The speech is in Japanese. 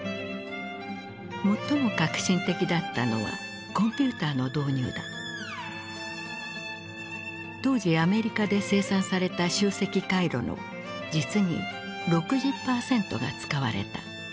最も革新的だったのは当時アメリカで生産された集積回路の実に６０％が使われた。